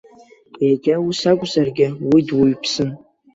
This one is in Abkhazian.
Егьа ус акәзаргьы, уи дуаҩԥсын.